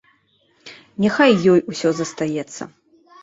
Няхай ёй усё застаецца.